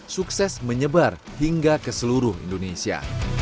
sukses menyebar hingga ke seluruh indonesia